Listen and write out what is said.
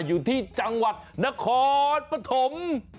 อยู่ที่จังหวัดนครปฐม